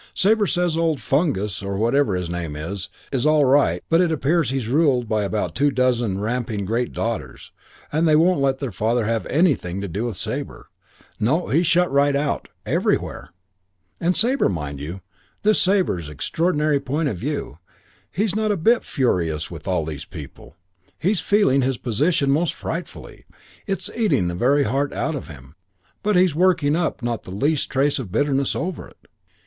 Sabre says old Fungus, or whatever his name is, is all right, but it appears he's ruled by about two dozen ramping great daughters, and they won't let their father have anything to do with Sabre. No, he's shut right out, everywhere. "And Sabre, mind you this is Sabre's extraordinary point of view: he's not a bit furious with all these people. He's feeling his position most frightfully; it's eating the very heart out of him, but he's working up not the least trace of bitterness over it.